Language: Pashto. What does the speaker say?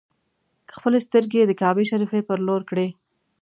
خپلې سترګې یې د کعبې شریفې پر لور کړې.